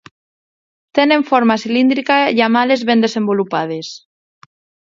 Tenen forma cilíndrica i amb ales ben desenvolupades.